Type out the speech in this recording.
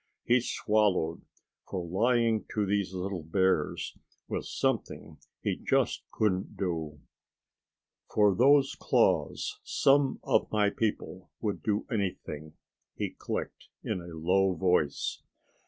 He swallowed, for lying to these little bears was something he just couldn't do. "For those claws some of my people would do anything," he clicked in a low voice.